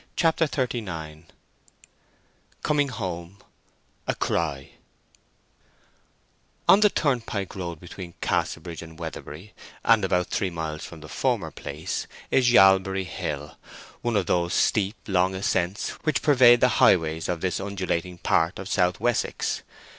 CHAPTER XXXIX COMING HOME—A CRY On the turnpike road, between Casterbridge and Weatherbury, and about three miles from the former place, is Yalbury Hill, one of those steep long ascents which pervade the highways of this undulating part of South Wessex.